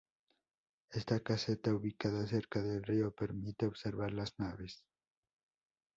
Esta caseta ubicada cerca del río permite observar las aves.